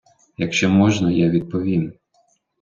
Якщо можна я відповім.